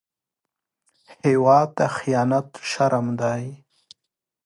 هېواد ته خيانت شرم دی